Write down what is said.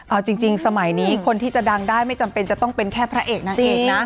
เอาจริงสมัยนี้คนที่จะดังได้ไม่จำเป็นจะต้องเป็นแค่พระเอกนางเอกนะ